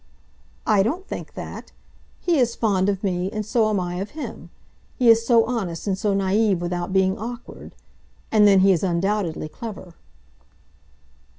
"I don't think that. He is fond of me, and so am I of him. He is so honest, and so naïve without being awkward! And then he is undoubtedly clever."